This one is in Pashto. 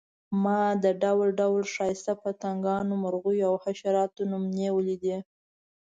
ما د ډول ډول ښایسته پتنګانو، مرغیو او حشراتو نمونې ولیدې.